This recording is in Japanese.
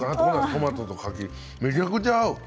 トマトと柿、めちゃくちゃ合う。